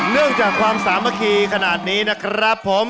จากความสามัคคีขนาดนี้นะครับผม